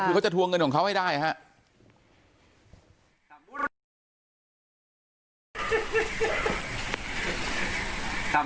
ผู้ชมครับท่าน